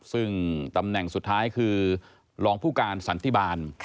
ซึ่งตำแหน่งสุดท้ายคือรองผู้การสันติบาล